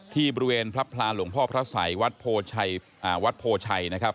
ที่บริเวณพระพลาหลวงพ่อพระสัยวัดโพชัยนะครับ